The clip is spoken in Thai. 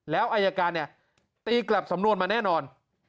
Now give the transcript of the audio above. แล้วอายการเนี่ยตีกลับสำนวนมาแน่นอน